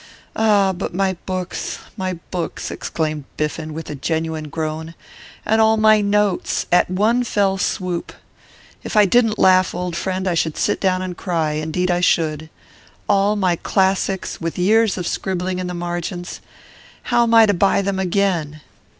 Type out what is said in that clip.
'Ah, but my books, my books!' exclaimed Biffen, with a genuine groan. 'And all my notes! At one fell swoop! If I didn't laugh, old friend, I should sit down and cry; indeed I should. All my classics, with years of scribbling in the margins! How am I to buy them again?